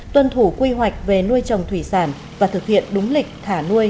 tuân thủ quy hoạch về nuôi trồng thủy sản và thực hiện đúng lịch thả nuôi